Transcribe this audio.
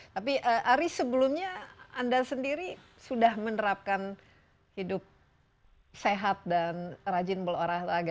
tapi ari sebelumnya anda sendiri sudah menerapkan hidup sehat dan rajin berolahraga